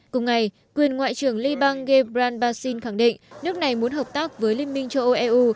cùng ngày quyền ngoại trưởng liban ghebrand bassin khẳng định nước này muốn hợp tác với liên minh châu âu eu